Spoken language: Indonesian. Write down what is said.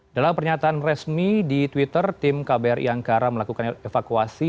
dalam pernyataan resmi di twitter tim kbri angkara melakukan evakuasi